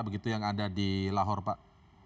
begitu yang ada di lahore pak